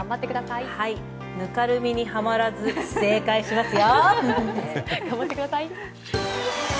ぬかるみにはまらず正解しますよ。